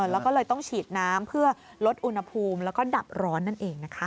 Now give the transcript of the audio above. แล้วก็เลยต้องฉีดน้ำเพื่อลดอุณหภูมิแล้วก็ดับร้อนนั่นเองนะคะ